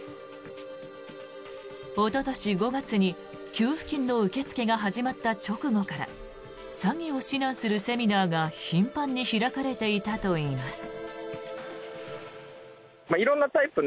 おととし５月に給付金の受け付けが始まった直後から詐欺を指南するセミナーが頻繁に開かれていたといいます。